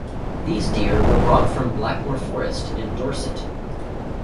These deer were brought from Blackmore forest, in Dorset.